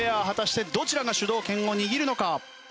果たしてどちらが主導権を握るのか？